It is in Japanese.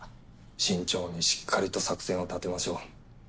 慎重にしっかりと作戦を立てましょう。